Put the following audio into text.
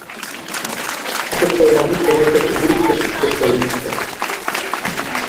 Aquest poemari tenia contingut existencialista.